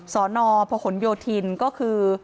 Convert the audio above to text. สอนอพระขนโยธินก็คือ